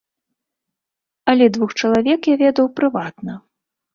Але двух чалавек я ведаў прыватна.